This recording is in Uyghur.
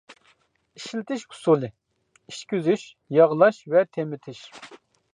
ئىشلىتىش ئۇسۇلى: ئىچكۈزۈش، ياغلاش ۋە تېمىتىش.